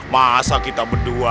masa kita berdua